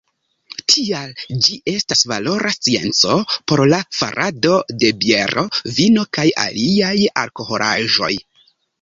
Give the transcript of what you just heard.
Tial ĝi estas valora scienco por la farado de biero, vino, kaj aliaj alkoholaĵoj.